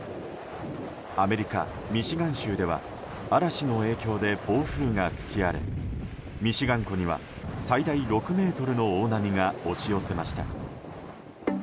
アメリカ・ミシガン州では嵐の影響で暴風が吹き荒れミシガン湖には最大６ｍの大波が押し寄せました。